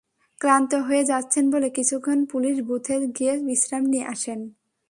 ক্লান্ত হয়ে যাচ্ছেন বলে কিছুক্ষণ পুলিশ বুথে গিয়ে বিশ্রাম নিয়ে আসেন।